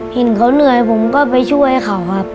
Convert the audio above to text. เห็นเขาเหนื่อยผมก็ไปช่วยเขาครับ